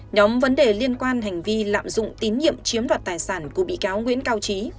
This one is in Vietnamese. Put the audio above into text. nhóm vấn đề liên quan hành vi lạm dụng tín nhiệm chiếm đoạt tài sản của bị cáo nguyễn cao trí